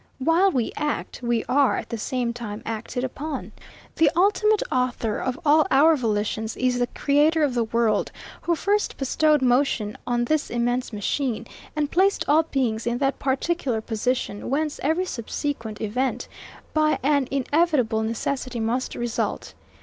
While we act, we are, at the same time, acted upon. The ultimate Author of all our volitions is the Creator of the world, who first bestowed motion on this immense machine, and placed all beings in that particular position, whence every subsequent event, by an inevitable necessity, must result.